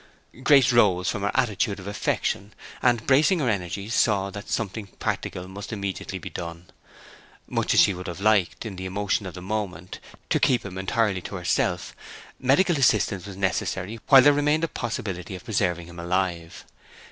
Grace rose from her attitude of affection, and, bracing her energies, saw that something practical must immediately be done. Much as she would have liked, in the emotion of the moment, to keep him entirely to herself, medical assistance was necessary while there remained a possibility of preserving him alive.